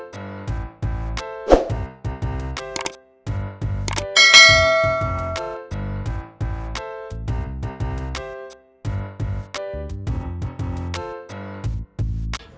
sampai di papa papa